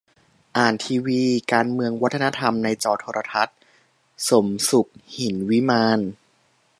อ่านทีวี : การเมืองวัฒนธรรมในจอโทรทัศน์ - สมสุข หินวิมาน